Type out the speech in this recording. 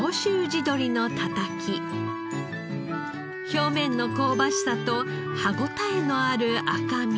表面の香ばしさと歯応えのある赤身。